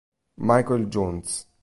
Michael Jones